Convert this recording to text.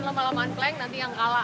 aduh terima kasih terima kasih